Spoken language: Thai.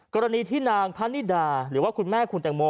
กรณีที่นางพะนิดาหรือว่าคุณแม่คุณแตงโม